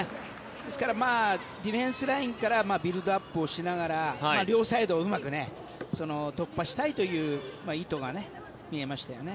ですからディフェンスラインからビルドアップをしながら両サイドをうまく突破したいという意図が見えましたよね。